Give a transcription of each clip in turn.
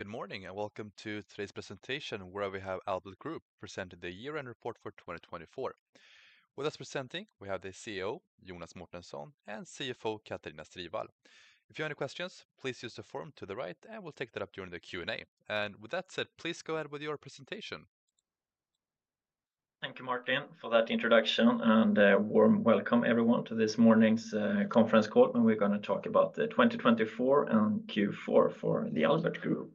Good morning and welcome to today's presentation, where we have Albert Group presenting the year-end report for 2024. With us presenting, we have the CEO, Jonas Mårtensson, and CFO, Katarina Strivall. If you have any questions, please use the forum to the right, and we'll take that up during the Q&A. With that said, please go ahead with your presentation. Thank you, Martin, for that introduction, and a warm welcome, everyone, to this morning's conference call. We are going to talk about 2024 and Q4 for the Albert Group.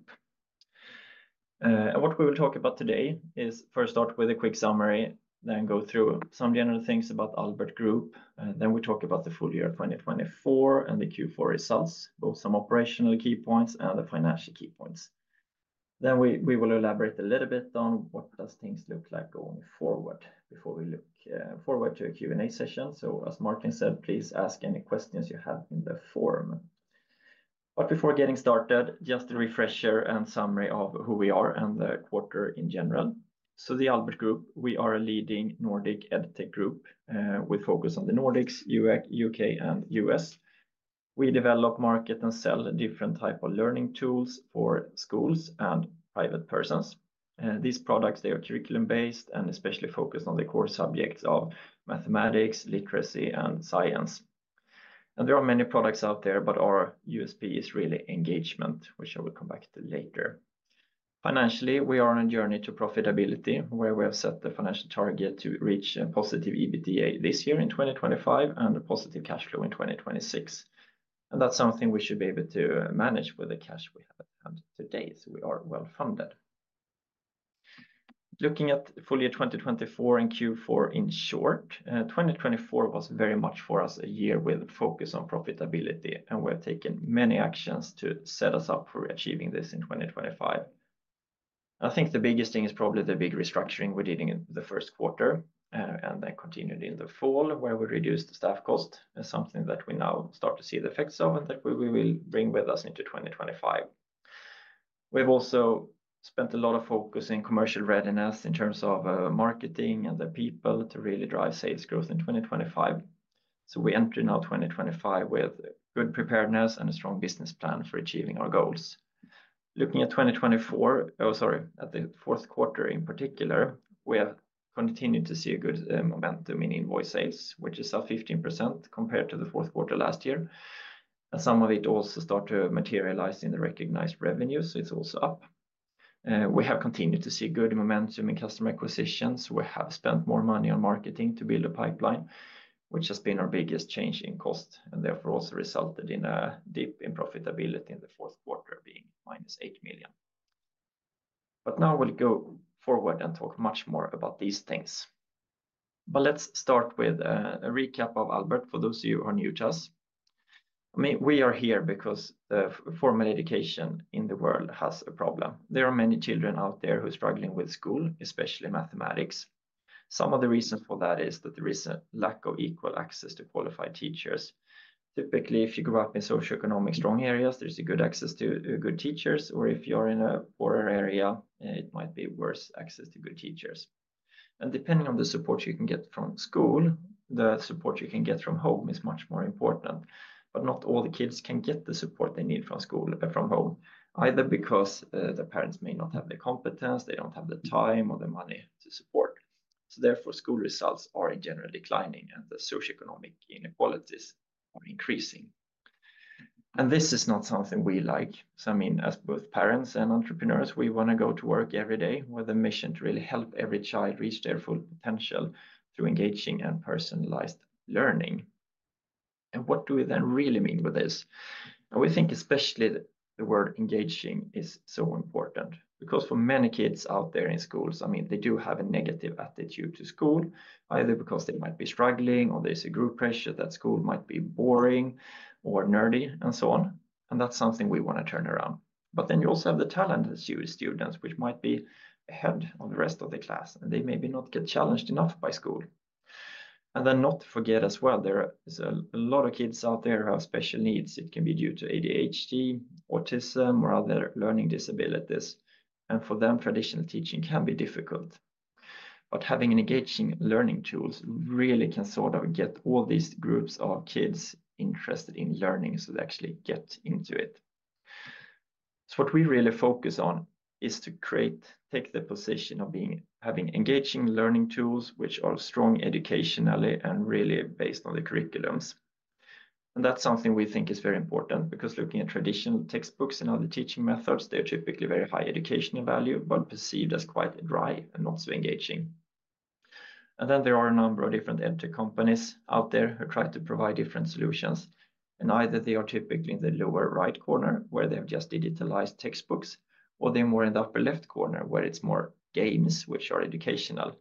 What we will talk about today is, first, start with a quick summary, then go through some general things about Albert Group. Then we talk about the full year 2024 and the Q4 results, both some operational key points and the financial key points. We will elaborate a little bit on what things look like going forward before we look forward to a Q&A session. As Martin said, please ask any questions you have in the forum. Before getting started, just a refresher and summary of who we are and the quarter in general. The Albert Group, we are a leading Nordic edtech group with focus on the Nordics, U.K., and U.S. We develop, market, and sell different types of learning tools for schools and private persons. These products, they are curriculum-based and especially focused on the core subjects of mathematics, literacy, and science. There are many products out there, but our USP is really engagement, which I will come back to later. Financially, we are on a journey to profitability, where we have set the financial target to reach a positive EBITDA this year in 2025 and a positive cash flow in 2026. That is something we should be able to manage with the cash we have at hand today, so we are well funded. Looking at full year 2024 and Q4 in short, 2024 was very much for us a year with focus on profitability, and we have taken many actions to set us up for achieving this in 2025. I think the biggest thing is probably the big restructuring we did in the first quarter and then continued in the fall, where we reduced the staff cost, something that we now start to see the effects of and that we will bring with us into 2025. We've also spent a lot of focus in commercial readiness in terms of marketing and the people to really drive sales growth in 2025. We enter now 2025 with good preparedness and a strong business plan for achieving our goals. Looking at 2024, sorry, at the fourth quarter in particular, we have continued to see a good momentum in invoice sales, which is up 15% compared to the fourth quarter last year. Some of it also started to materialize in the recognized revenue, so it's also up. We have continued to see good momentum in customer acquisition, so we have spent more money on marketing to build a pipeline, which has been our biggest change in cost and therefore also resulted in a dip in profitability in the fourth quarter being -8 million. Now we'll go forward and talk much more about these things. Let's start with a recap of Albert for those of you who are new to us. We are here because formal education in the world has a problem. There are many children out there who are struggling with school, especially mathematics. Some of the reasons for that is that there is a lack of equal access to qualified teachers. Typically, if you grow up in socioeconomically strong areas, there's good access to good teachers, or if you're in a poorer area, it might be worse access to good teachers. Depending on the support you can get from school, the support you can get from home is much more important. Not all the kids can get the support they need from school from home, either because the parents may not have the competence, they do not have the time or the money to support. Therefore, school results are in general declining and the socioeconomic inequalities are increasing. This is not something we like. I mean, as both parents and entrepreneurs, we want to go to work every day with a mission to really help every child reach their full potential through engaging and personalized learning. What do we then really mean with this? We think especially the word engaging is so important because for many kids out there in schools, I mean, they do have a negative attitude to school, either because they might be struggling or there is a group pressure that school might be boring or nerdy and so on. That is something we want to turn around. You also have the talented students, which might be ahead of the rest of the class, and they maybe not get challenged enough by school. Not to forget as well, there are a lot of kids out there who have special needs. It can be due to ADHD, autism, or other learning disabilities. For them, traditional teaching can be difficult. Having engaging learning tools really can sort of get all these groups of kids interested in learning so they actually get into it. What we really focus on is to create, take the position of having engaging learning tools which are strong educationally and really based on the curriculums. That is something we think is very important because looking at traditional textbooks and other teaching methods, they are typically very high educational value, but perceived as quite dry and not so engaging. There are a number of different edtech companies out there who try to provide different solutions. Either they are typically in the lower right corner, where they have just digitalized textbooks, or they are more in the upper left corner, where it is more games, which are educational.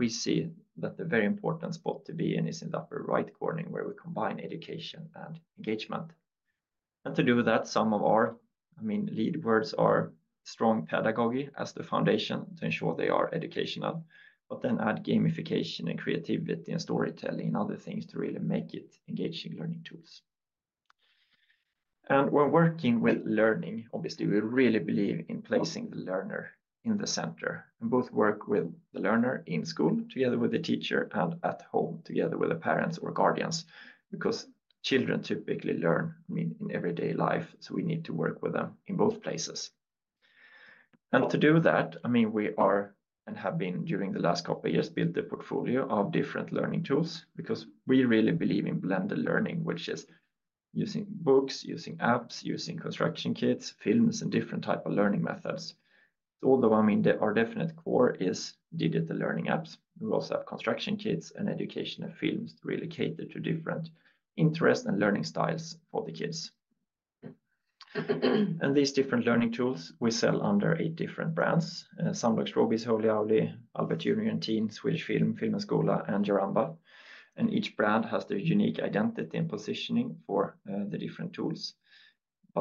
We see that the very important spot to be in is in the upper right corner, where we combine education and engagement. To do that, some of our, I mean, lead words are strong pedagogy as the foundation to ensure they are educational, but then add gamification and creativity and storytelling and other things to really make it engaging learning tools. When working with learning, obviously, we really believe in placing the learner in the center and both work with the learner in school together with the teacher and at home together with the parents or guardians because children typically learn, I mean, in everyday life, so we need to work with them in both places. To do that, I mean, we are and have been during the last couple of years built a portfolio of different learning tools because we really believe in blended learning, which is using books, using apps, using construction kits, films, and different types of learning methods. Although, I mean, our definite core is digital learning apps. We also have construction kits and educational films to really cater to different interests and learning styles for the kids. These different learning tools, we sell under eight different brands: Sumdog, Strawbees, Holy Owly, Albert Junior and Teen, Swedish Film, Film & Skola, and Jaramba. Each brand has their unique identity and positioning for the different tools.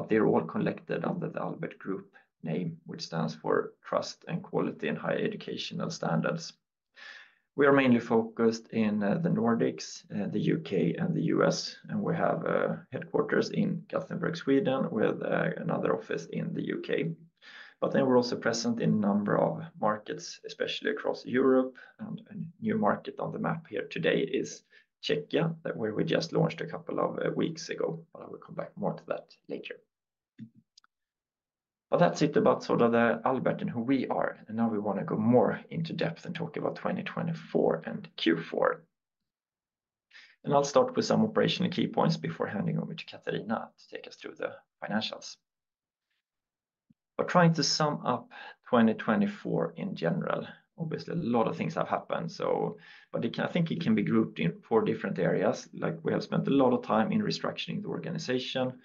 They are all collected under the Albert Group name, which stands for trust and quality and higher educational standards. We are mainly focused in the Nordics, the U.K., and the U.S., and we have headquarters in Gothenburg, Sweden, with another office in the U.K. We are also present in a number of markets, especially across Europe. A new market on the map here today is Czechia, where we just launched a couple of weeks ago. I will come back more to that later. That is it about sort of the Albert and who we are. Now we want to go more into depth and talk about 2024 and Q4. I will start with some operational key points before handing over to Katarina to take us through the financials. Trying to sum up 2024 in general, obviously, a lot of things have happened. I think it can be grouped in four different areas. We have spent a lot of time in restructuring the organization.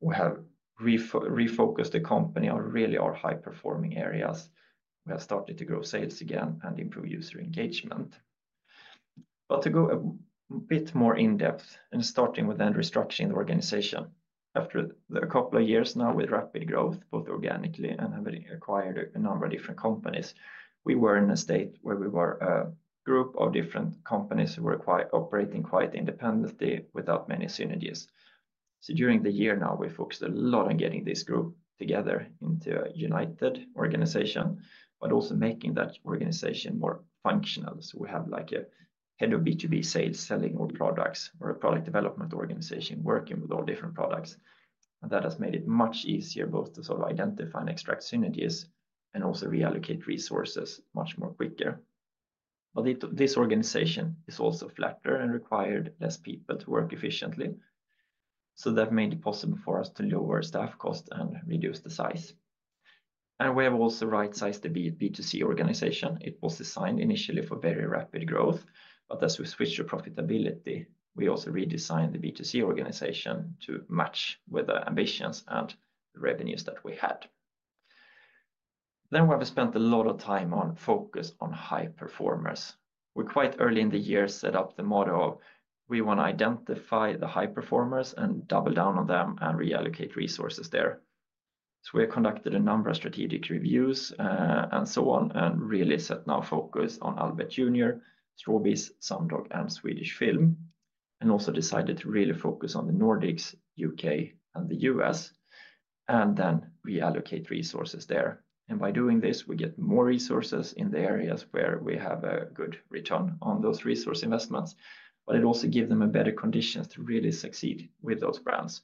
We have refocused the company on really our high-performing areas. We have started to grow sales again and improve user engagement. To go a bit more in depth and starting with then restructuring the organization. After a couple of years now with rapid growth, both organically and having acquired a number of different companies, we were in a state where we were a group of different companies who were operating quite independently without many synergies. During the year now, we focused a lot on getting this group together into a united organization, but also making that organization more functional. We have like a head of B2B sales, selling our products, or a product development organization working with all different products. That has made it much easier both to sort of identify and extract synergies and also reallocate resources much more quickly. This organization is also flatter and required fewer people to work efficiently. That made it possible for us to lower staff costs and reduce the size. We have also right-sized the B2C organization. It was designed initially for very rapid growth, but as we switched to profitability, we also redesigned the B2C organization to match with the ambitions and revenues that we had. We have spent a lot of time on focus on high performers. We quite early in the year set up the model of we want to identify the high performers and double down on them and reallocate resources there. We have conducted a number of strategic reviews and so on and really set now focus on Albert Junior, Strawbees, Sumdog, and Swedish Film, and also decided to really focus on the Nordics, U.K., and the U.S., and then reallocate resources there. By doing this, we get more resources in the areas where we have a good return on those resource investments, but it also gives them better conditions to really succeed with those brands.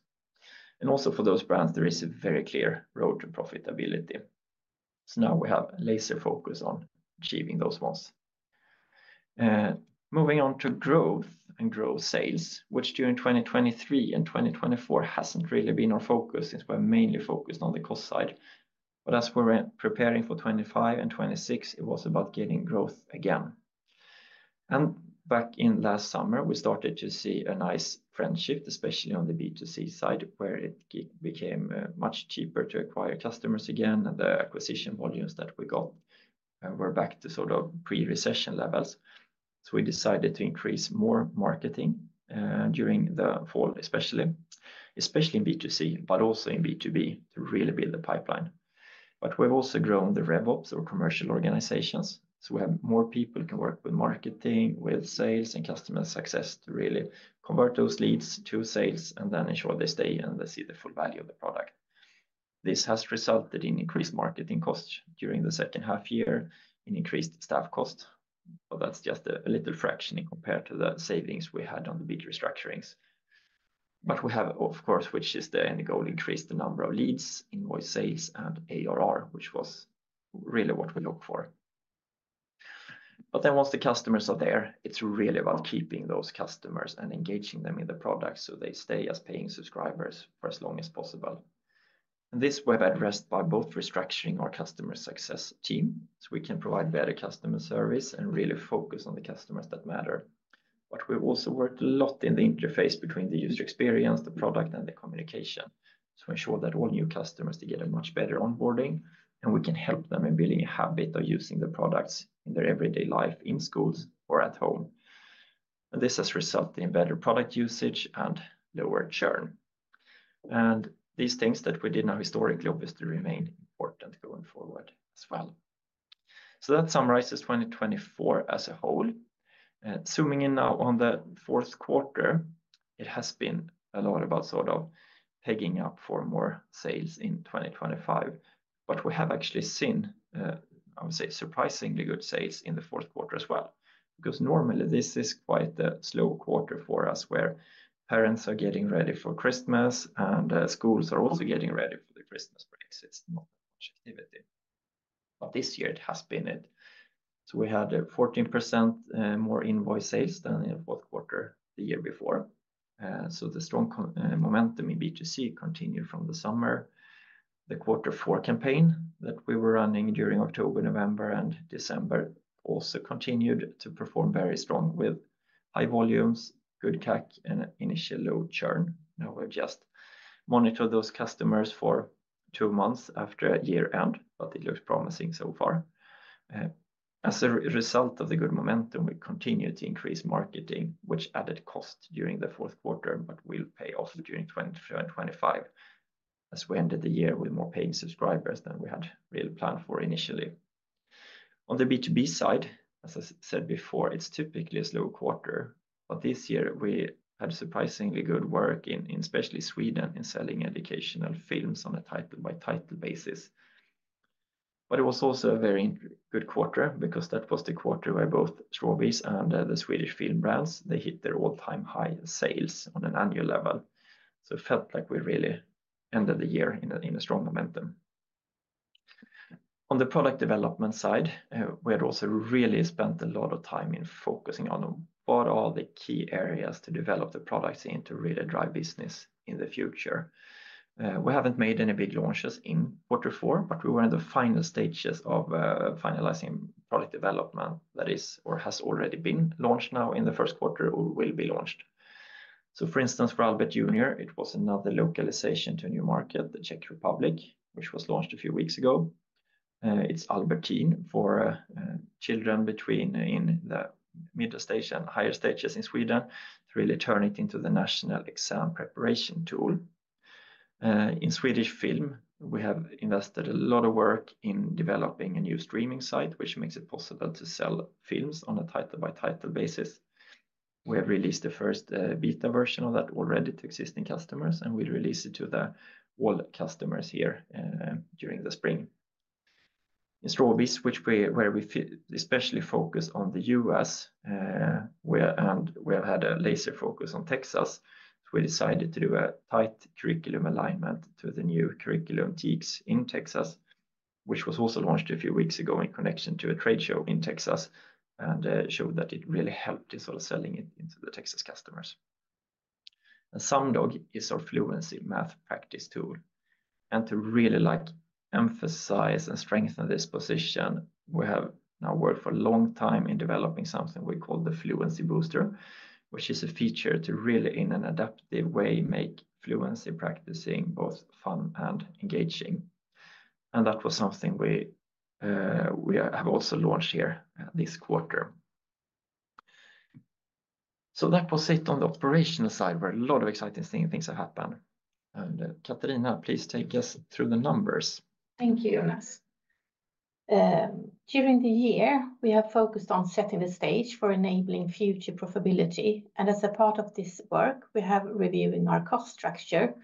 Also for those brands, there is a very clear road to profitability. Now we have a laser focus on achieving those ones. Moving on to growth and growth sales, which during 2023 and 2024 has not really been our focus since we are mainly focused on the cost side. As we are preparing for 2025 and 2026, it is about getting growth again. Back in last summer, we started to see a nice friendship, especially on the B2C side, where it became much cheaper to acquire customers again, and the acquisition volumes that we got were back to sort of pre-recession levels. We decided to increase more marketing during the fall, especially in B2C, but also in B2B to really build the pipeline. We have also grown the RevOps or commercial organizations. We have more people who can work with marketing, with sales, and customer success to really convert those leads to sales and then ensure they stay and they see the full value of the product. This has resulted in increased marketing costs during the second half year, in increased staff costs. That is just a little fraction compared to the savings we had on the big restructurings. We have, of course, which is the end goal, increased the number of leads, invoice sales, and ARR, which was really what we look for. Once the customers are there, it is really about keeping those customers and engaging them in the product so they stay as paying subscribers for as long as possible. This we have addressed by both restructuring our customer success team so we can provide better customer service and really focus on the customers that matter. We have also worked a lot in the interface between the user experience, the product, and the communication to ensure that all new customers are getting much better onboarding, and we can help them in building a habit of using the products in their everyday life in schools or at home. This has resulted in better product usage and lower churn. These things that we did now historically, obviously, remain important going forward as well. That summarizes 2024 as a whole. Zooming in now on the fourth quarter, it has been a lot about sort of pegging up for more sales in 2025. We have actually seen, I would say, surprisingly good sales in the fourth quarter as well. Because normally this is quite a slow quarter for us where parents are getting ready for Christmas and schools are also getting ready for the Christmas breaks. It's not that much activity. This year it has been it. We had a 14% more invoice sales than in the fourth quarter the year before. The strong momentum in B2C continued from the summer. The quarter four campaign that we were running during October, November, and December also continued to perform very strong with high volumes, good CAC, and initial low churn. Now we've just monitored those customers for two months after year-end, but it looks promising so far. As a result of the good momentum, we continued to increase marketing, which added cost during the fourth quarter, but will pay off during 2025 as we ended the year with more paying subscribers than we had really planned for initially. On the B2B side, as I said before, it's typically a slow quarter. This year we had surprisingly good work in especially Sweden in selling educational films on a title-by-title basis. It was also a very good quarter because that was the quarter where both Strawbees and the Swedish Film brands, they hit their all-time high sales on an annual level. It felt like we really ended the year in a strong momentum. On the product development side, we had also really spent a lot of time in focusing on what are the key areas to develop the products into really dry business in the future. We haven't made any big launches in quarter four, but we were in the final stages of finalizing product development that is or has already been launched now in the first quarter or will be launched. For instance, for Albert Junior, it was another localization to a new market, the Czech Republic, which was launched a few weeks ago. It's Albert Teen for children between in the middle stage and higher stages in Sweden, really turning it into the national exam preparation tool. In Swedish Film, we have invested a lot of work in developing a new streaming site, which makes it possible to sell films on a title-by-title basis. We have released the first beta version of that already to existing customers, and we will release it to all customers here during the spring. In Strawbees, where we especially focus on the U.S., and we have had a laser focus on Texas, we decided to do a tight curriculum alignment to the new curriculum TEKS in Texas, which was also launched a few weeks ago in connection to a trade show in Texas and showed that it really helped in sort of selling it into the Texas customers. Sumdog is our fluency math practice tool. To really emphasize and strengthen this position, we have now worked for a long time in developing something we call the Fluency Booster, which is a feature to really in an adaptive way make fluency practicing both fun and engaging. That was something we have also launched here this quarter. That was it on the operational side where a lot of exciting things have happened. Katarina, please take us through the numbers. Thank you, Jonas. During the year, we have focused on setting the stage for enabling future profitability. As a part of this work, we have been reviewing our cost structure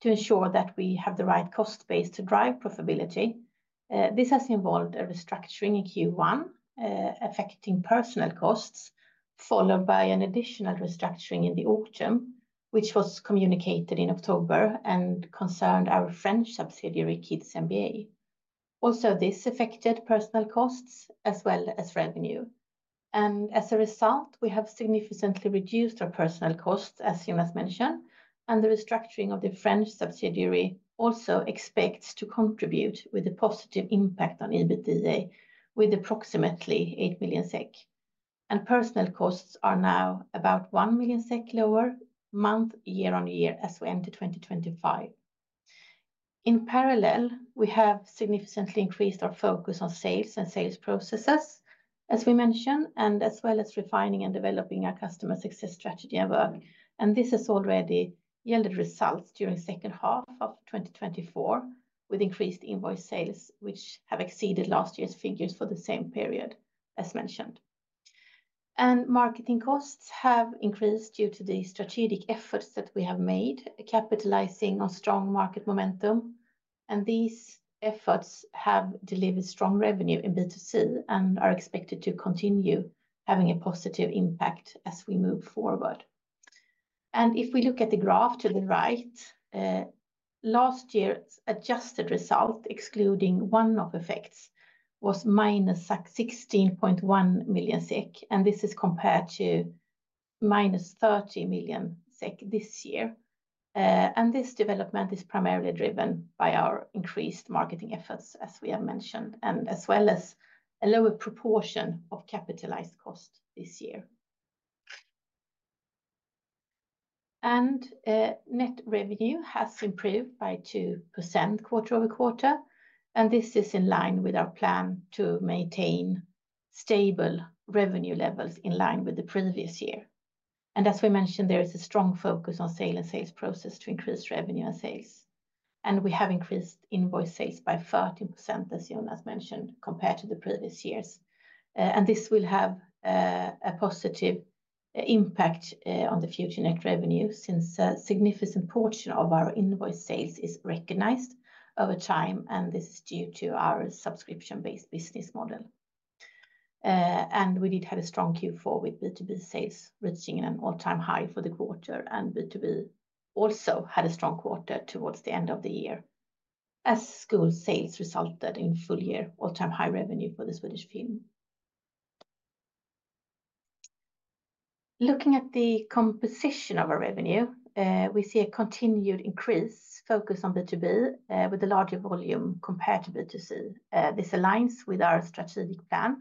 to ensure that we have the right cost base to drive profitability. This has involved a restructuring in Q1 affecting personnel costs, followed by an additional restructuring in the autumn, which was communicated in October and concerned our French subsidiary Kids MBA. Also, this affected personnel costs as well as revenue. As a result, we have significantly reduced our personnel costs, as Jonas mentioned, and the restructuring of the French subsidiary also expects to contribute with a positive impact on EBITDA with approximately 8 million SEK. Personal costs are now about 1 million SEK lower per month year-on-year as we enter 2025. In parallel, we have significantly increased our focus on sales and sales processes, as we mentioned, as well as refining and developing our customer success strategy and work. This has already yielded results during the second half of 2024 with increased invoice sales, which have exceeded last year's figures for the same period, as mentioned. Marketing costs have increased due to the strategic efforts that we have made, capitalizing on strong market momentum. These efforts have delivered strong revenue in B2C and are expected to continue having a positive impact as we move forward. If we look at the graph to the right, last year's adjusted result, excluding one-off effects, was -16.1 million SEK. This is compared to -30 million SEK this year. This development is primarily driven by our increased marketing efforts, as we have mentioned, as well as a lower proportion of capitalized cost this year. Net revenue has improved by 2% quarter-over-quarter. This is in line with our plan to maintain stable revenue levels in line with the previous year. As we mentioned, there is a strong focus on sale and sales process to increase revenue and sales. We have increased invoice sales by 13%, as Jonas Mårtensson mentioned, compared to the previous years. This will have a positive impact on the future net revenue since a significant portion of our invoice sales is recognized over time, and this is due to our subscription-based business model. We did have a strong Q4 with B2B sales reaching an all-time high for the quarter, and B2B also had a strong quarter towards the end of the year, as school sales resulted in full-year all-time high revenue for Swedish Film. Looking at the composition of our revenue, we see a continued increase focus on B2B with a larger volume compared to B2C. This aligns with our strategic plan.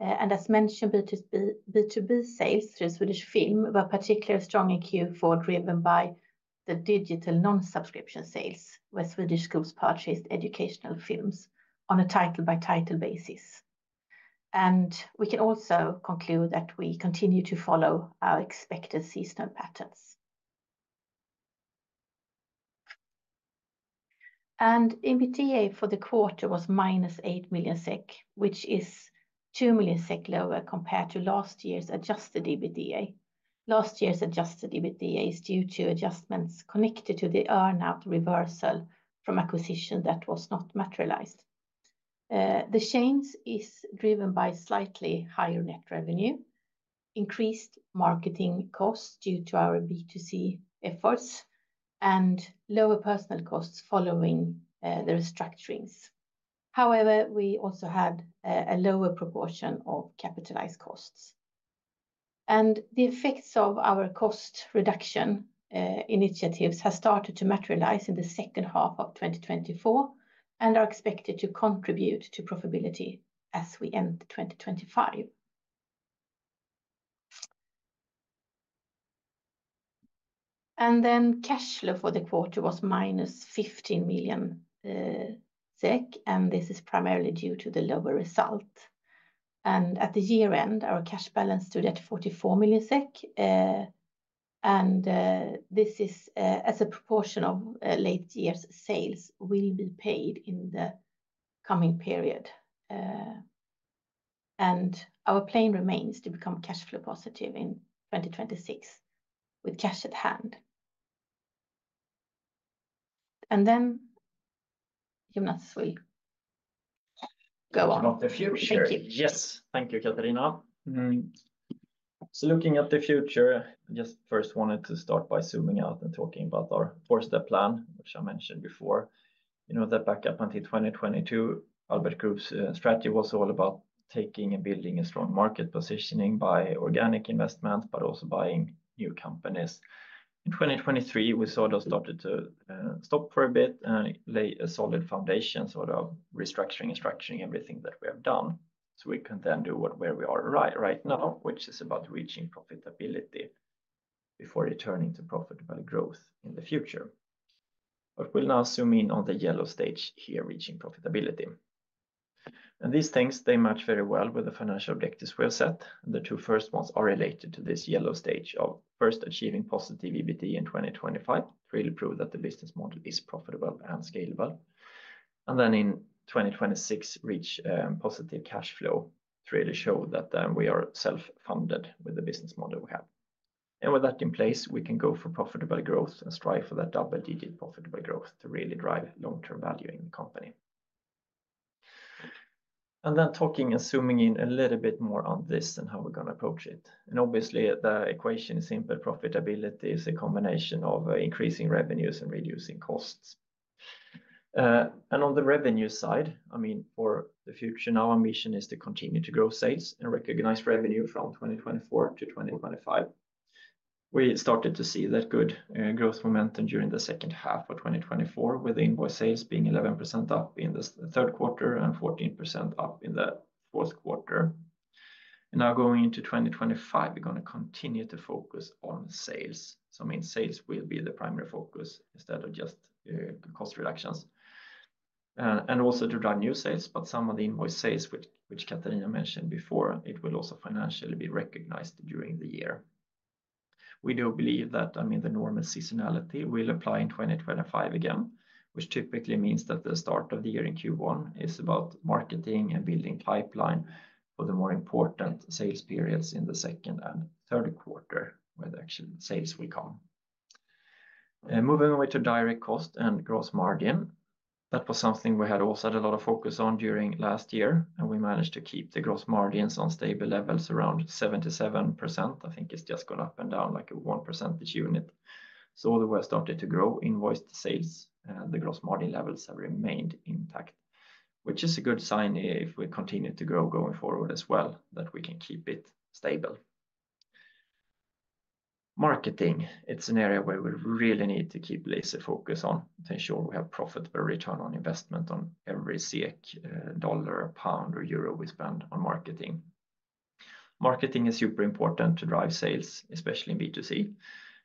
As mentioned, B2B sales through Swedish Film were particularly strong in Q4, driven by the digital non-subscription sales where Swedish schools purchased educational films on a title-by-title basis. We can also conclude that we continue to follow our expected seasonal patterns. EBITDA for the quarter was -8 million SEK, which is 2 million SEK lower compared to last year's adjusted EBITDA. Last year's adjusted EBITDA is due to adjustments connected to the earn-out reversal from acquisition that was not materialized. The change is driven by slightly higher net revenue, increased marketing costs due to our B2C efforts, and lower personnel costs following the restructurings. However, we also had a lower proportion of capitalized costs. The effects of our cost reduction initiatives have started to materialize in the second half of 2024 and are expected to contribute to profitability as we end 2025. Cash flow for the quarter was -15 million SEK, and this is primarily due to the lower result. At the year-end, our cash balance stood at 44 million SEK, and this is as a proportion of late year's sales will be paid in the coming period. Our plan remains to become cash flow positive in 2026 with cash at hand. Then Jonas will go on. Looking at the future. Yes, thank you, Katarina. Looking at the future, I just first wanted to start by zooming out and talking about our four-step plan, which I mentioned before. You know that back up until 2022, Albert Group's strategy was all about taking and building a strong market positioning by organic investment, but also buying new companies. In 2023, we sort of started to stop for a bit and lay a solid foundation, sort of restructuring and structuring everything that we have done. We can then do what where we are right now, which is about reaching profitability before returning to profitable growth in the future. We will now zoom in on the yellow stage here, reaching profitability. These things, they match very well with the financial objectives we have set. The two first ones are related to this yellow stage of first achieving positive EBITDA in 2025, really prove that the business model is profitable and scalable. In 2026, reach positive cash flow, really show that we are self-funded with the business model we have. With that in place, we can go for profitable growth and strive for that double-digit profitable growth to really drive long-term value in the company. Talking and zooming in a little bit more on this and how we're going to approach it. Obviously, the equation is simple. Profitability is a combination of increasing revenues and reducing costs. On the revenue side, I mean, for the future, now our mission is to continue to grow sales and recognize revenue from 2024 to 2025. We started to see that good growth momentum during the second half of 2024, with the invoice sales being 11% up in the third quarter and 14% up in the fourth quarter. Now going into 2025, we're going to continue to focus on sales. I mean, sales will be the primary focus instead of just cost reductions. Also to drive new sales, but some of the invoice sales, which Katarina mentioned before, it will also financially be recognized during the year. We do believe that, I mean, the normal seasonality will apply in 2025 again, which typically means that the start of the year in Q1 is about marketing and building pipeline for the more important sales periods in the second and third quarter where the actual sales will come. Moving over to direct cost and gross margin, that was something we had also had a lot of focus on during last year, and we managed to keep the gross margins on stable levels around 77%. I think it's just gone up and down like a one percentage unit. Although we have started to grow invoice sales, the gross margin levels have remained intact, which is a good sign if we continue to grow going forward as well, that we can keep it stable. Marketing, it's an area where we really need to keep laser focus on to ensure we have profitable return on investment on every SEK, $1, GBP 1, or Euro 1 we spend on marketing. Marketing is super important to drive sales, especially in B2C,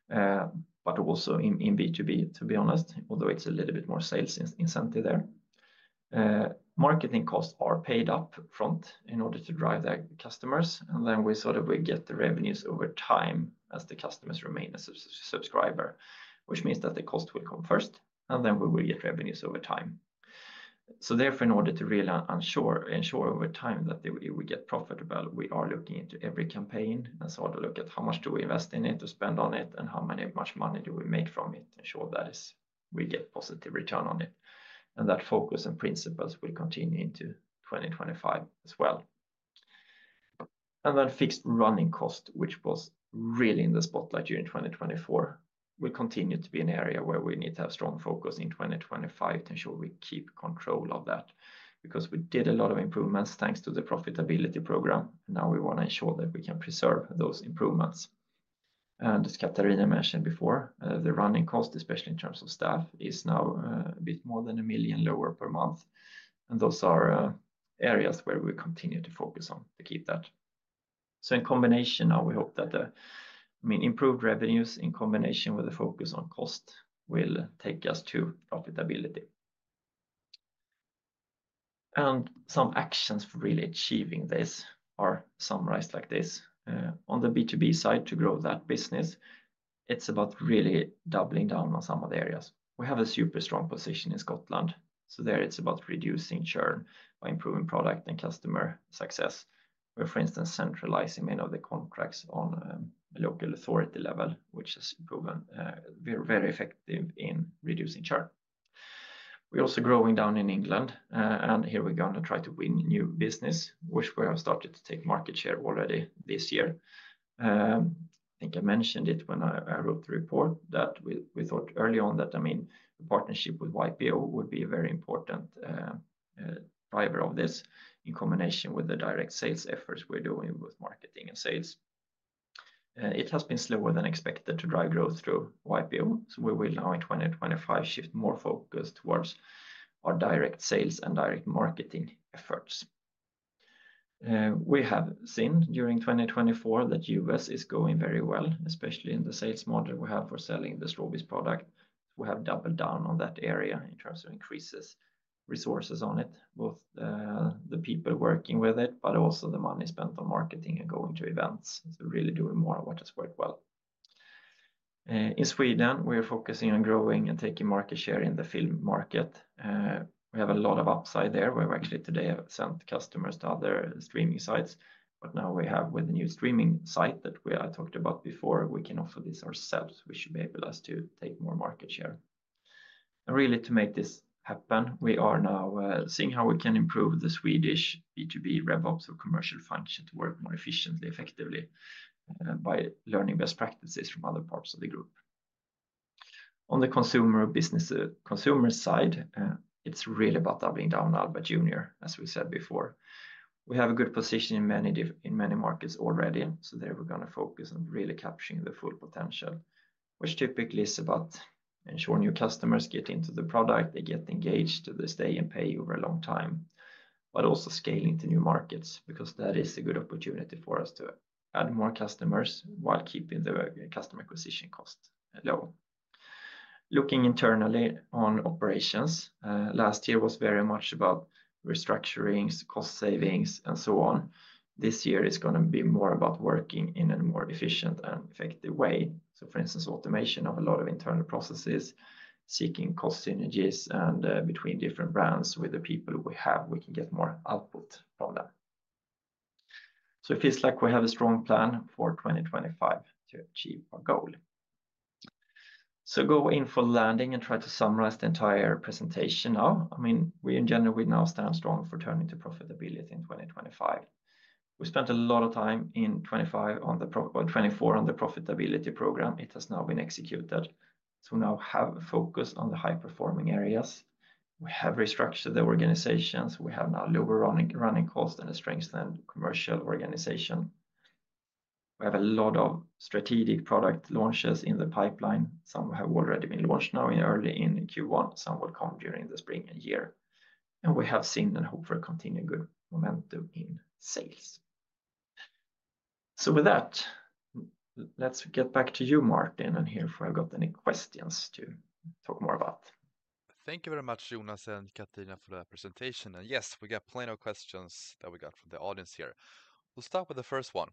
but also in B2B, to be honest, although it's a little bit more sales incentive there. Marketing costs are paid up front in order to drive their customers, and then we sort of get the revenues over time as the customers remain a subscriber, which means that the cost will come first, and then we will get revenues over time. Therefore, in order to really ensure over time that we get profitable, we are looking into every campaign and sort of look at how much do we invest in it to spend on it and how much money do we make from it to ensure that we get positive return on it. That focus and principles will continue into 2025 as well. Fixed running cost, which was really in the spotlight during 2024, will continue to be an area where we need to have strong focus in 2025 to ensure we keep control of that because we did a lot of improvements thanks to the profitability program. Now we want to ensure that we can preserve those improvements. As Katarina mentioned before, the running cost, especially in terms of staff, is now a bit more than 1 million lower per month. Those are areas where we continue to focus on to keep that. In combination, now we hope that the, I mean, improved revenues in combination with the focus on cost will take us to profitability. Some actions for really achieving this are summarized like this. On the B2B side, to grow that business, it's about really doubling down on some of the areas. We have a super strong position in Scotland. There it's about reducing churn by improving product and customer success. We're, for instance, centralizing many of the contracts on a local authority level, which has proven we're very effective in reducing churn. We're also growing down in England, and here we're going to try to win new business, which we have started to take market share already this year. I think I mentioned it when I wrote the report that we thought early on that, I mean, the partnership with YPO would be a very important driver of this in combination with the direct sales efforts we're doing with marketing and sales. It has been slower than expected to drive growth through YPO, so we will now in 2025 shift more focus towards our direct sales and direct marketing efforts. We have seen during 2024 that U.S. is going very well, especially in the sales model we have for selling the Strawbees product. We have doubled down on that area in terms of increased resources on it, both the people working with it, but also the money spent on marketing and going to events. Really doing more of what has worked well. In Sweden, we are focusing on growing and taking market share in the film market. We have a lot of upside there. We've actually today sent customers to other streaming sites, but now we have with the new streaming site that I talked about before, we can offer this ourselves, which should enable us to take more market share. To make this happen, we are now seeing how we can improve the Swedish B2B RevOps or commercial function to work more efficiently, effectively by learning best practices from other parts of the group. On the consumer business, consumer side, it's really about doubling down on Albert Junior, as we said before. We have a good position in many markets already, so there we're going to focus on really capturing the full potential, which typically is about ensuring new customers get into the product, they get engaged, they stay and pay over a long time, but also scaling to new markets because that is a good opportunity for us to add more customers while keeping the customer acquisition cost low. Looking internally on operations, last year was very much about restructurings, cost savings, and so on. This year is going to be more about working in a more efficient and effective way. For instance, automation of a lot of internal processes, seeking cost synergies and between different brands with the people we have, we can get more output from them. It feels like we have a strong plan for 2025 to achieve our goal. Going for landing and try to summarize the entire presentation now. I mean, we in general, we now stand strong for turning to profitability in 2025. We spent a lot of time in 2024 on the profitability program. It has now been executed. We now have a focus on the high-performing areas. We have restructured the organizations. We have now lower running cost and a strengthened commercial organization. We have a lot of strategic product launches in the pipeline. Some have already been launched now early in Q1, some will come during the spring and year. We have seen and hope for a continued good momentum in sales. With that, let's get back to you, Martin, and hear if we've got any questions to talk more about. Thank you very much, Jonas and Katarina, for the presentation. Yes, we got plenty of questions that we got from the audience here. We'll start with the first one.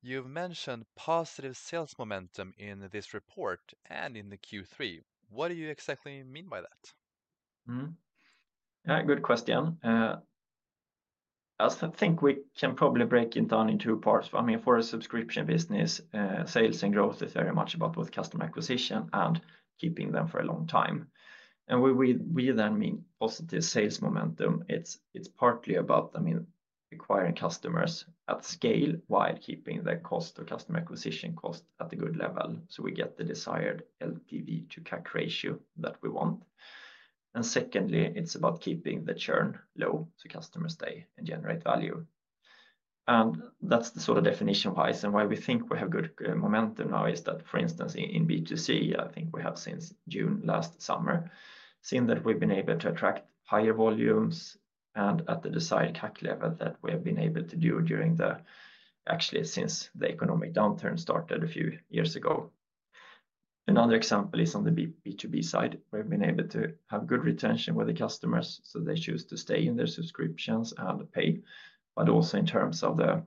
You've mentioned positive sales momentum in this report and in the Q3. What do you exactly mean by that? Yeah, good question. I think we can probably break it down in two parts. I mean, for a subscription business, sales and growth is very much about both customer acquisition and keeping them for a long time. We then mean positive sales momentum. It's partly about, I mean, acquiring customers at scale while keeping the cost of customer acquisition cost at a good level. We get the desired LTV to CAC ratio that we want. Secondly, it's about keeping the churn low so customers stay and generate value. That's the sort of definition-wise. Why we think we have good momentum now is that, for instance, in B2C, I think we have since June last summer, seen that we've been able to attract higher volumes and at the desired CAC level that we have been able to do during the, actually since the economic downturn started a few years ago. Another example is on the B2B side. We've been able to have good retention with the customers so they choose to stay in their subscriptions and pay, but also in terms of the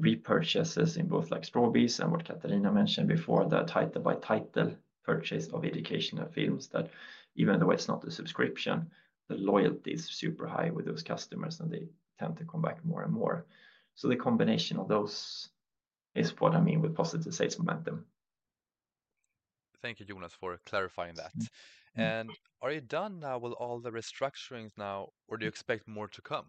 repurchases in both like Strawbees and what Katarina mentioned before, the title-by-title purchase of educational films that even though it's not a subscription, the loyalty is super high with those customers and they tend to come back more and more. The combination of those is what I mean with positive sales momentum. Thank you, Jonas, for clarifying that. Are you done now with all the restructurings now, or do you expect more to come?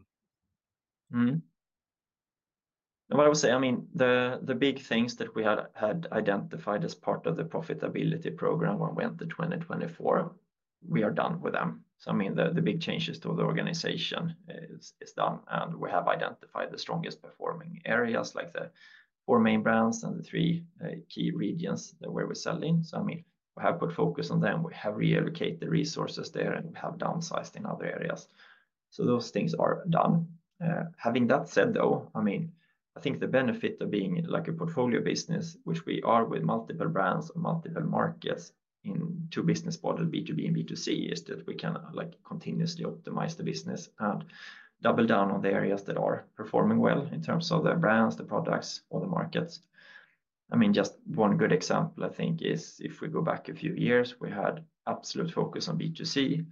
What I would say, I mean, the big things that we had identified as part of the profitability program when we entered 2024, we are done with them. I mean, the big changes to the organization is done and we have identified the strongest performing areas like the four main brands and the three key regions where we're selling. I mean, we have put focus on them. We have reallocated resources there and we have downsized in other areas. Those things are done. Having that said though, I mean, I think the benefit of being like a portfolio business, which we are with multiple brands and multiple markets in two business models, B2B and B2C, is that we can like continuously optimize the business and double down on the areas that are performing well in terms of the brands, the products, or the markets. I mean, just one good example I think is if we go back a few years, we had absolute focus on B2C.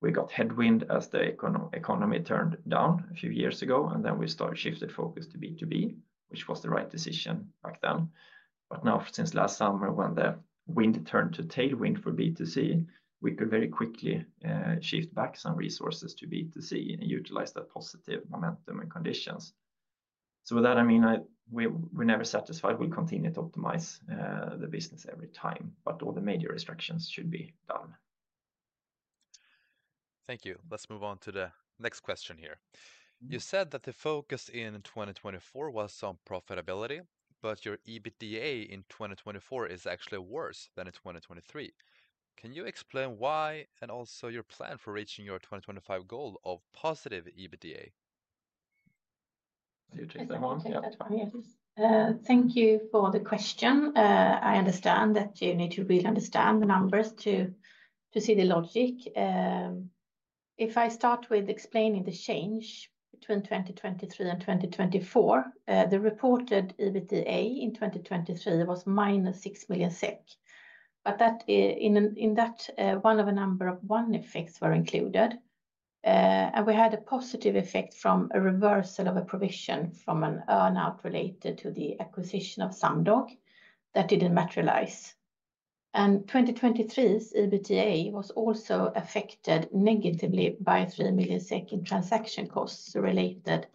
We got headwind as the economy turned down a few years ago, and then we shifted focus to B2B, which was the right decision back then. Now, since last summer, when the wind turned to tailwind for B2C, we could very quickly shift back some resources to B2C and utilize that positive momentum and conditions. With that, I mean, we're never satisfied. We'll continue to optimize the business every time, but all the major restrictions should be done. Thank you. Let's move on to the next question here. You said that the focus in 2024 was on profitability, but your EBITDA in 2024 is actually worse than in 2023. Can you explain why and also your plan for reaching your 2025 goal of positive EBITDA? You take that one. Thank you for the question. I understand that you need to really understand the numbers to see the logic. If I start with explaining the change between 2023 and 2024, the reported EBITDA in 2023 was -6 million SEK. In that, one of a number of one effects were included. We had a positive effect from a reversal of a provision from an earnout related to the acquisition of Sumdog that did not materialize. 2023's EBITDA was also affected negatively by 3 million in transaction costs related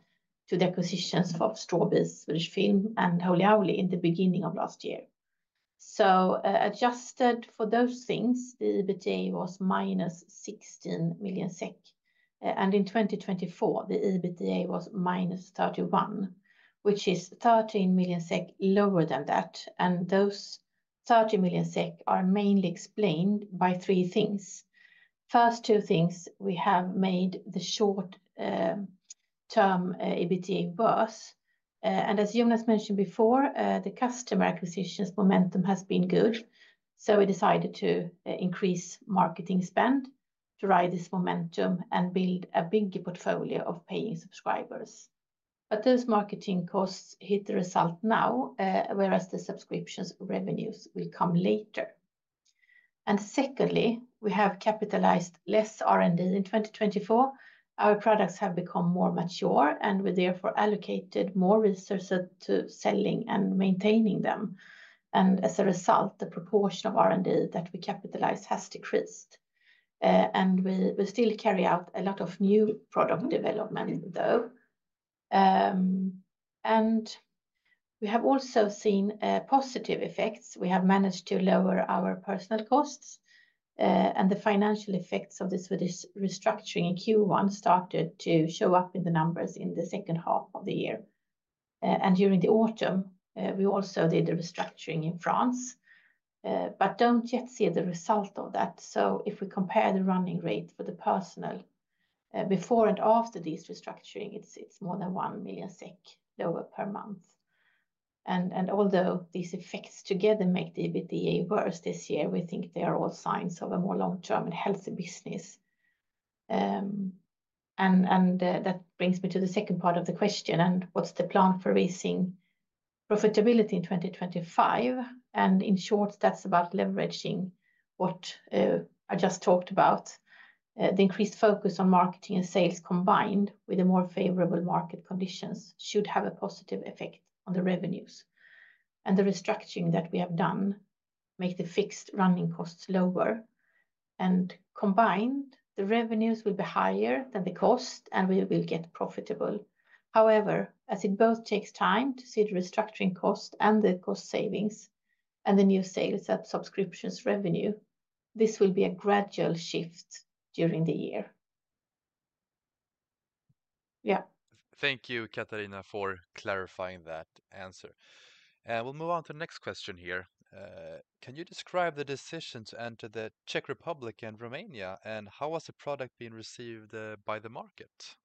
to the acquisitions of Strawbees, Swedish Film, and Holy Owly in the beginning of last year. Adjusted for those things, the EBITDA was minus 16 million SEK. In 2024, the EBITDA was minus 31 million, which is 13 million SEK lower than that. Those 13 million SEK are mainly explained by three things. First, two things, we have made the short-term EBITDA worse. As Jonas mentioned before, the customer acquisitions momentum has been good. We decided to increase marketing spend to ride this momentum and build a bigger portfolio of paying subscribers. Those marketing costs hit the result now, whereas the subscription revenues will come later. Secondly, we have capitalized less R&D in 2024. Our products have become more mature, and we therefore allocated more resources to selling and maintaining them. As a result, the proportion of R&D that we capitalized has decreased. We still carry out a lot of new product development, though. We have also seen positive effects. We have managed to lower our personnel costs. The financial effects of the Swedish restructuring in Q1 started to show up in the numbers in the second half of the year. During the autumn, we also did the restructuring in France. We do not yet see the result of that. If we compare the running rate for the personnel before and after this restructuring, it is more than 1 million SEK lower per month. Although these effects together make the EBITDA worse this year, we think they are all signs of a more long-term and healthy business. That brings me to the second part of the question. What is the plan for raising profitability in 2025? In short, that is about leveraging what I just talked about. The increased focus on marketing and sales combined with the more favorable market conditions should have a positive effect on the revenues. The restructuring that we have done makes the fixed running costs lower. Combined, the revenues will be higher than the cost, and we will get profitable. However, as it both takes time to see the restructuring cost and the cost savings and the new sales at subscriptions revenue, this will be a gradual shift during the year. Yeah. Thank you, Katarina, for clarifying that answer. We'll move on to the next question here. Can you describe the decision to enter the Czech Republic and Romania? How was the product being received by the market?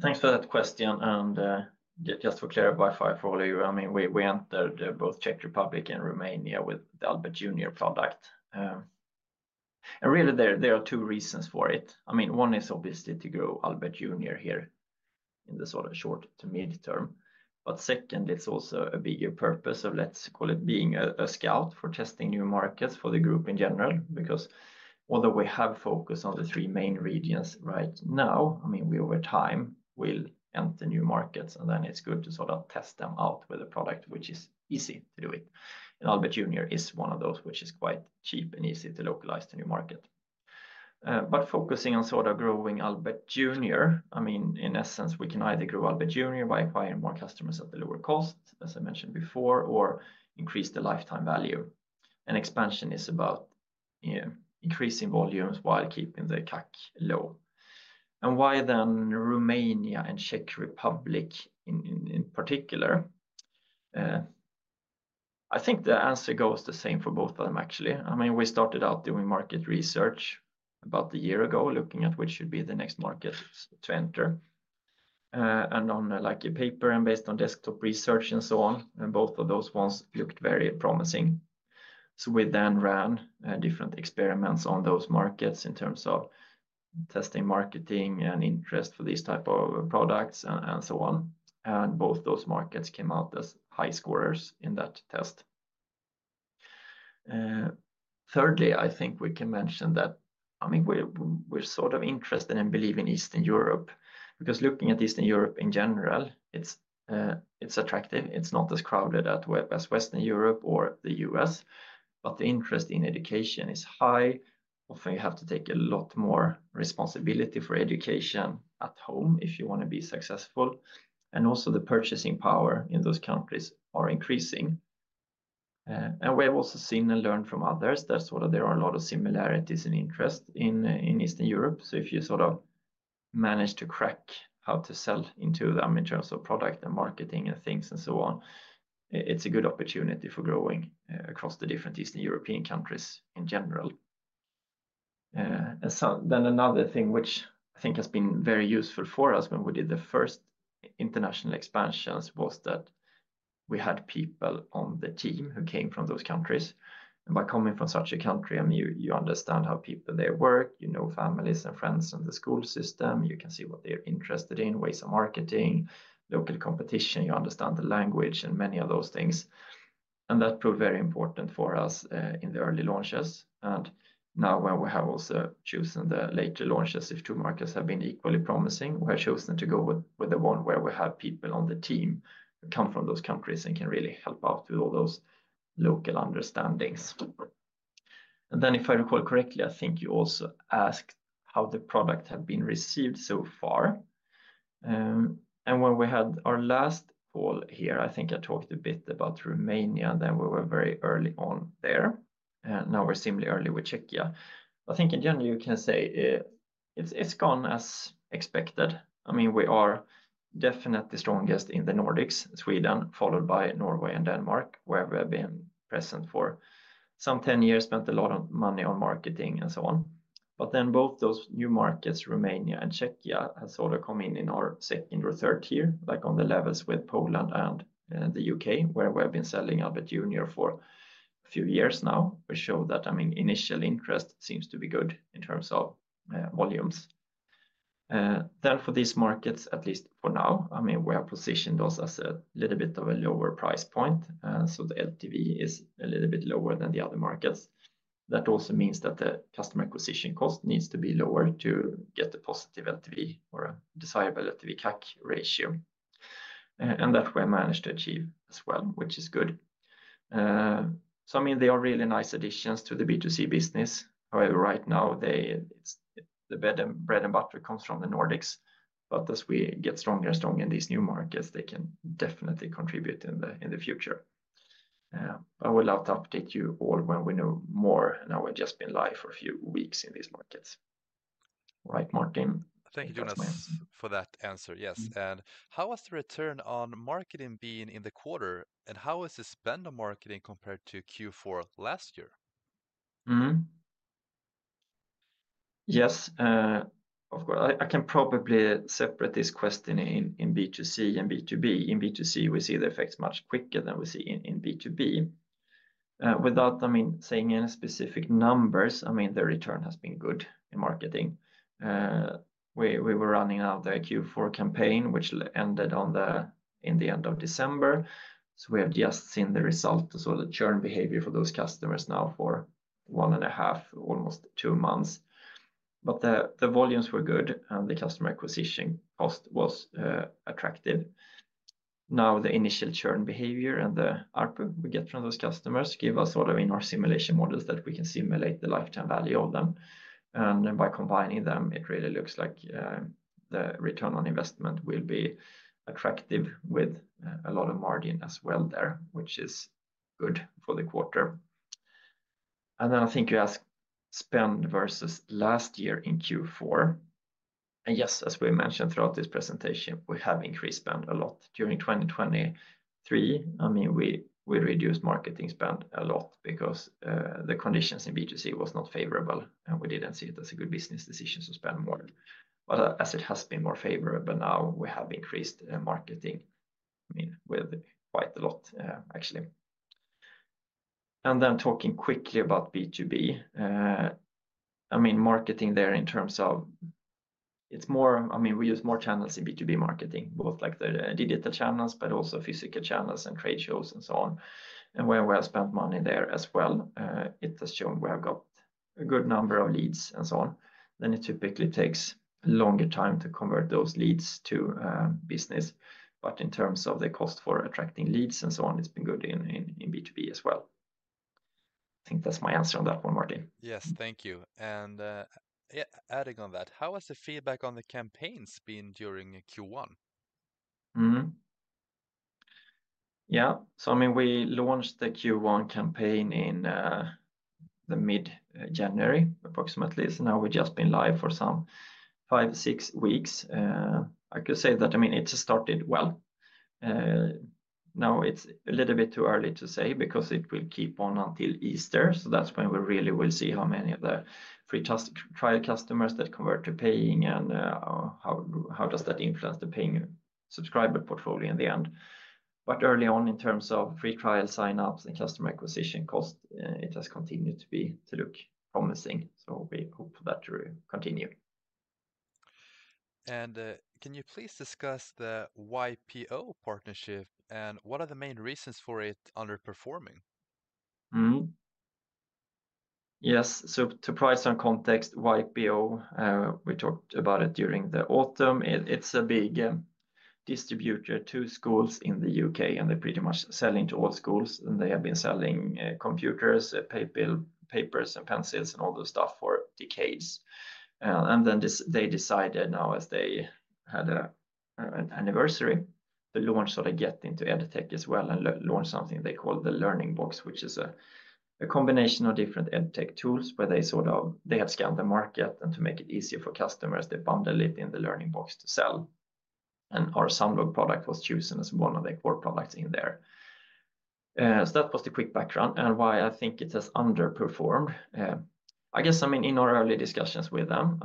Thanks for that question. Just to clarify for all of you, I mean, we entered both Czech Republic and Romania with the Albert Junior product. Really, there are two reasons for it. One is obviously to grow Albert Junior here in the sort of short to mid term. Second, it's also a bigger purpose of, let's call it being a scout for testing new markets for the group in general. Because although we have focused on the three main regions right now, I mean, we over time will enter new markets, and then it is good to sort of test them out with a product, which is easy to do it. And Albert Junior is one of those, which is quite cheap and easy to localize to new market. But focusing on sort of growing Albert Junior, I mean, in essence, we can either grow Albert Junior by acquiring more customers at the lower cost, as I mentioned before, or increase the lifetime value. Expansion is about increasing volumes while keeping the CAC low. Why then Romania and Czech Republic in particular? I think the answer goes the same for both of them, actually. I mean, we started out doing market research about a year ago, looking at which should be the next market to enter. On paper and based on desktop research and so on, both of those ones looked very promising. We then ran different experiments on those markets in terms of testing marketing and interest for these types of products and so on. Both those markets came out as high scorers in that test. Thirdly, I think we can mention that, I mean, we're sort of interested in and believe in Eastern Europe. Because looking at Eastern Europe in general, it's attractive. It's not as crowded as Western Europe or the U.S. The interest in education is high. Often you have to take a lot more responsibility for education at home if you want to be successful. Also, the purchasing power in those countries is increasing. We have also seen and learned from others that there are a lot of similarities in interest in Eastern Europe. If you sort of manage to crack how to sell into them in terms of product and marketing and things and so on, it's a good opportunity for growing across the different Eastern European countries in general. Another thing which I think has been very useful for us when we did the first international expansions was that we had people on the team who came from those countries. By coming from such a country, I mean, you understand how people there work, you know families and friends and the school system, you can see what they're interested in, ways of marketing, local competition, you understand the language and many of those things. That proved very important for us in the early launches. Now when we have also chosen the later launches, if two markets have been equally promising, we have chosen to go with the one where we have people on the team who come from those countries and can really help out with all those local understandings. If I recall correctly, I think you also asked how the product had been received so far. When we had our last poll here, I think I talked a bit about Romania, and we were very early on there. Now we're similarly early with Czechia. I think in general, you can say it's gone as expected. I mean, we are definitely strongest in the Nordics, Sweden, followed by Norway and Denmark, where we have been present for some 10 years, spent a lot of money on marketing and so on. Both those new markets, Romania and Czechia, have sort of come in in our second or third year, like on the levels with Poland and the U.K., where we have been selling Albert Junior for a few years now, which showed that, I mean, initial interest seems to be good in terms of volumes. For these markets, at least for now, I mean, we have positioned us as a little bit of a lower price point. The LTV is a little bit lower than the other markets. That also means that the customer acquisition cost needs to be lower to get a positive LTV or a desirable LTV-CAC ratio. That we have managed to achieve as well, which is good. I mean, they are really nice additions to the B2C business. However, right now, the bread and butter comes from the Nordics. As we get stronger and stronger in these new markets, they can definitely contribute in the future. I would love to update you all when we know more. We have just been live for a few weeks in these markets. All right, Martin. Thank you, Jonas, for that answer. Yes. How has the return on marketing been in the quarter? How is the spend on marketing compared to Q4 last year? Yes, of course. I can probably separate this question in B2C and B2B. In B2C, we see the effects much quicker than we see in B2B. Without, I mean, saying any specific numbers, I mean, the return has been good in marketing. We were running out the Q4 campaign, which ended in the end of December. We have just seen the result, the sort of churn behavior for those customers now for one and a half, almost two months. The volumes were good, and the customer acquisition cost was attractive. The initial churn behavior and the output we get from those customers give us sort of in our simulation models that we can simulate the lifetime value of them. By combining them, it really looks like the return on investment will be attractive with a lot of margin as well there, which is good for the quarter. I think you asked spend versus last year in Q4. Yes, as we mentioned throughout this presentation, we have increased spend a lot. During 2023, I mean, we reduced marketing spend a lot because the conditions in B2C were not favorable, and we did not see it as a good business decision to spend more. As it has been more favorable now, we have increased marketing, I mean, with quite a lot, actually. Talking quickly about B2B, I mean, marketing there in terms of it is more, I mean, we use more channels in B2B marketing, both like the digital channels, but also physical channels and trade shows and so on. When we have spent money there as well, it has shown we have got a good number of leads and so on. It typically takes a longer time to convert those leads to business. In terms of the cost for attracting leads and so on, it has been good in B2B as well. I think that's my answer on that one, Martin. Yes, thank you. Adding on that, how has the feedback on the campaigns been during Q1? Yeah, I mean, we launched the Q1 campaign in mid-January approximately. Now we've just been live for some five, six weeks. I could say that, I mean, it started well. It is a little bit too early to say because it will keep on until Easter. That is when we really will see how many of the free trial customers convert to paying and how that influences the paying subscriber portfolio in the end. Early on, in terms of free trial sign-ups and customer acquisition cost, it has continued to look promising. We hope that will continue. Can you please discuss the YPO partnership and what are the main reasons for it underperforming? Yes. To provide some context, YPO, we talked about it during the autumn. It's a big distributor to schools in the U.K., and they're pretty much selling to all schools. They have been selling computers, papers, and pencils and all those stuff for decades. They decided now, as they had an anniversary, to sort of get into Edtech as well and launch something they call the Learning Box, which is a combination of different Edtech tools where they have scanned the market, and to make it easier for customers, they bundle it in the Learning Box to sell. Our Sumdog product was chosen as one of the core products in there. That was the quick background and why I think it has underperformed. I guess, I mean, in our early discussions with them,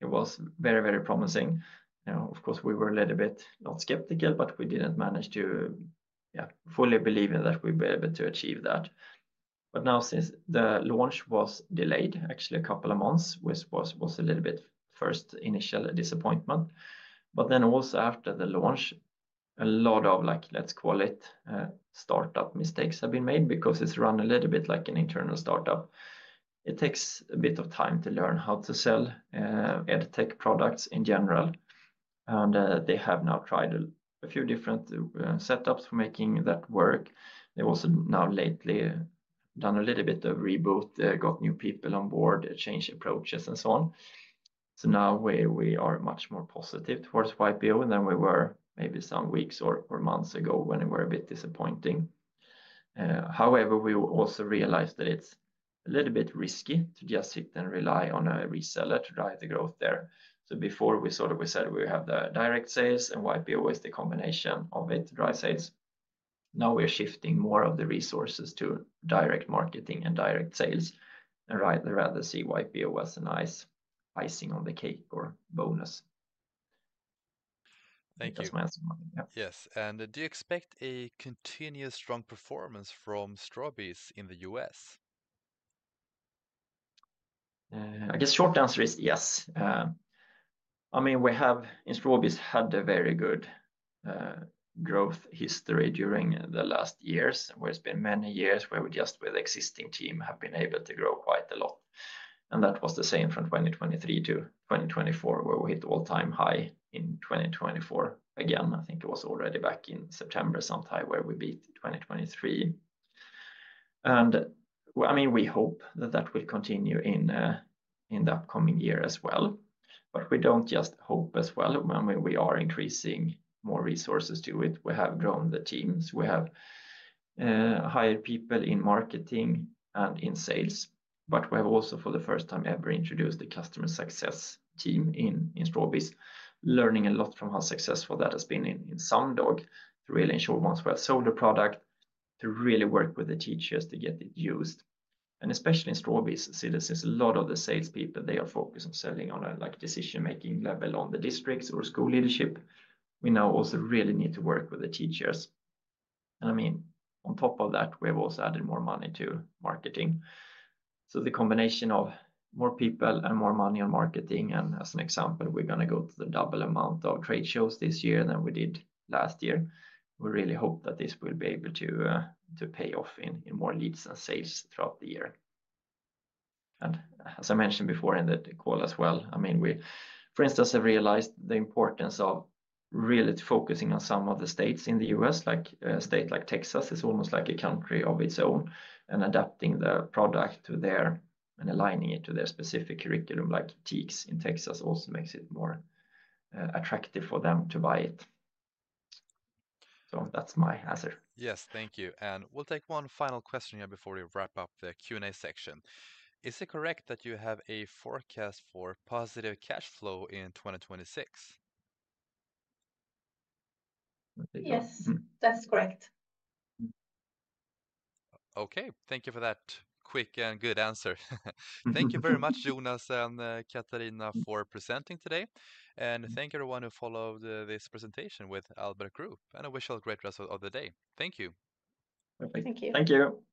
it was very, very promising. Of course, we were a little bit not skeptical, but we did not manage to, yeah, fully believe in that we were able to achieve that. Now since the launch was delayed, actually a couple of months, which was a little bit first initial disappointment. After the launch, a lot of, like, let's call it startup mistakes have been made because it is run a little bit like an internal startup. It takes a bit of time to learn how to sell Edtech products in general. They have now tried a few different setups for making that work. They have also now lately done a little bit of reboot, got new people on board, changed approaches and so on. Now we are much more positive towards YPO than we were maybe some weeks or months ago when we were a bit disappointing. However, we also realized that it's a little bit risky to just sit and rely on a reseller to drive the growth there. Before, we said we have the direct sales, and YPO is the combination of it to drive sales. Now we're shifting more of the resources to direct marketing and direct sales. I would rather see YPO as a nice icing on the cake or bonus. Thank you. That's my answer. Yes. And do you expect a continuous strong performance from Strawbees in the U.S? I guess short answer is yes. I mean, we have in Strawbees had a very good growth history during the last years. There have been many years where we just with the existing team have been able to grow quite a lot. That was the same from 2023 to 2024, where we hit all-time high in 2024. Again, I think it was already back in September sometime where we beat 2023. I mean, we hope that that will continue in the upcoming year as well. We do not just hope as well. I mean, we are increasing more resources to it. We have grown the teams. We have hired people in marketing and in sales. We have also, for the first time ever, introduced the customer success team in Strawbees, learning a lot from how successful that has been in Sumdog to really ensure once we have sold the product to really work with the teachers to get it used. Especially in Strawbees, since a lot of the salespeople, they are focused on selling on a decision-making level on the districts or school leadership, we now also really need to work with the teachers. I mean, on top of that, we have also added more money to marketing. The combination of more people and more money on marketing, and as an example, we're going to go to the double amount of trade shows this year than we did last year. We really hope that this will be able to pay off in more leads and sales throughout the year. As I mentioned before in the call as well, I mean, we, for instance, have realized the importance of really focusing on some of the states in the US, like a state like Texas is almost like a country of its own and adapting the product to there and aligning it to their specific curriculum, like TEKS in Texas also makes it more attractive for them to buy it. That's my answer. Yes, thank you. We will take one final question here before we wrap up the Q&A section. Is it correct that you have a forecast for positive cash flow in 2026? Yes, that's correct. Okay, thank you for that quick and good answer. Thank you very much, Jonas and Katarina, for presenting today. Thank you everyone who followed this presentation with Albert Group. I wish you all a great rest of the day. Thank you. Perfect. Thank you. Thank you.